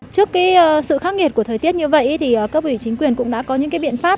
trước sự khắc nghiệt của thời tiết như vậy các vị chính quyền cũng đã có những biện pháp